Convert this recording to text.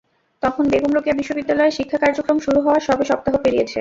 তখন বেগম রোকেয়া বিশ্ববিদ্যালয়ের শিক্ষা কার্যক্রম শুরু হওয়ার সবে সপ্তাহ পেরিয়েছে।